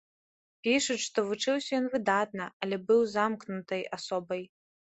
Пішуць, што вучыўся ён выдатна, але быў замкнутай асобай.